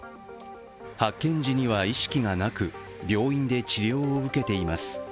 発見時には意識がなく病院で治療を受けています。